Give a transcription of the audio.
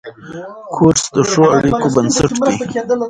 کورس د ښو اړیکو بنسټ دی.